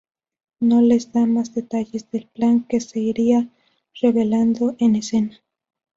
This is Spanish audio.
No les da más detalles del plan, que se irá revelando en escena.